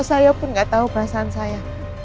saya pun nggak tahu perasaan saya